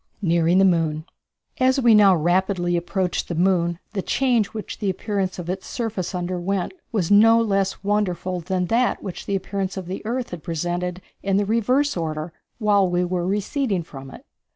Nearing the Moon. As we now rapidly approached the moon the change which the appearance of its surface underwent was no less wonderful than that which the surface of the earth had presented in the reverse order while we were receding from it.